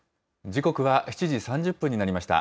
時刻は７時３０分になりました。